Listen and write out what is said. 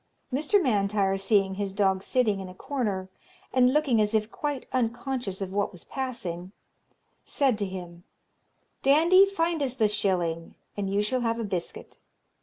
Mr. M'Intyre seeing his dog sitting in a corner, and looking as if quite unconscious of what was passing, said to him, 'Dandie, find us the shilling, and you shall have a biscuit.'